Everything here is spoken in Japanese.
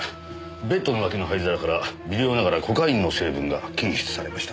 ベッドの脇の灰皿から微量ながらコカインの成分が検出されました。